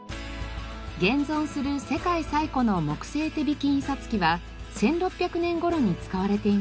現存する世界最古の木製手引き印刷機は１６００年頃に使われていました。